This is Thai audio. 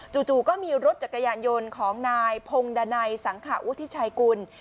จู่ก็มีรถจักรยานยนต์ของนายพงดานัยสังขวุฒิชัยกุล